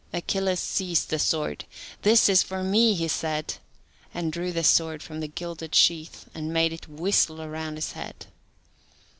Achilles seized the sword. "This is for me!" he said, and drew the sword from the gilded sheath, and made it whistle round his head.